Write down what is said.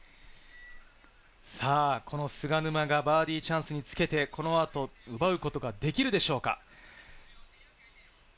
この菅沼がバーディーチャンスにつけて、この後、奪うことができるでしょうか？